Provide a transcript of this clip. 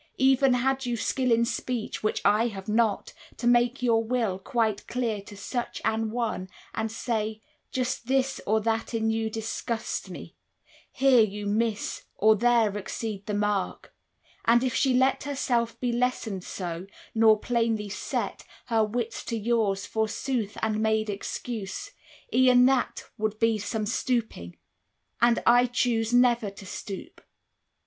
Even had you skill In speech (which I have not) to make your will Quite clear to such an one, and say, "Just this Or that in you disgusts me; here you miss, Or there exceed the mark" and if she let Herself be lessoned so, nor plainly set 40 Her wits to yours, forsooth, and made excuse, E'en that would be some stooping; and I choose Never to stoop.